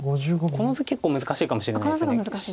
この図結構難しいかもしれないです。